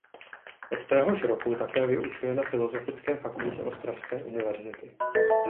Od téhož roku také vyučuje na Filozofické fakultě Ostravské univerzity.